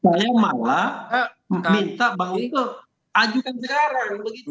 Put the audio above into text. saya malah minta bang woto ajukan sekarang